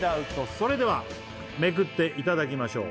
それではめくっていただきましょう